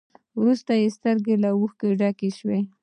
وروسته يې سترګې له اوښکو ډکې شوې.